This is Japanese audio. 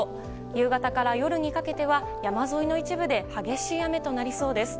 夕方から夜にかけては山沿いの一部で激しい雨となりそうです。